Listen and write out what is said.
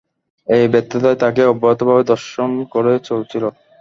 এই ব্যর্থতাই তাকে অব্যাহতভাবে দংশন করে চলছিল।